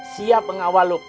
siap mengawal lu